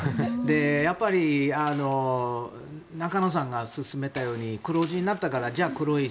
やっぱり中野さんが勧めたように黒字になったからじゃあ黒い